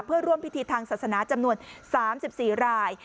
เพื่อร่วมพิธีทางศาสนาจำนวน๓๔ราย